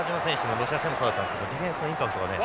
ロシア戦でもそうだったんですけどディフェンスのインパクトがね